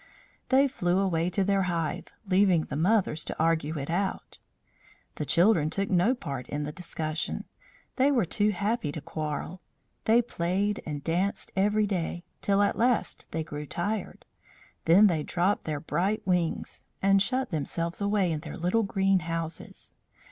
They flew away to their hive, leaving the mothers to argue it out. The children took no part in the discussion. They were too happy to quarrel. They played and danced every day, till at last they grew tired. Then they dropped their bright wings and shut themselves away in their little green houses.